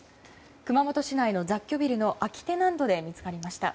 熊本市内の雑居ビルの空きテナントで見つかりました。